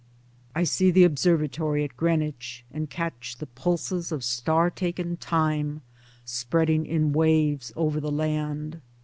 I see the observatory at Greenwich and catch the pulses of star taken time spreading in waves over the land.